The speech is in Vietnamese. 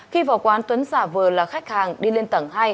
khi vào quán tuấn giả vờ là khách hàng đi lên tầng hai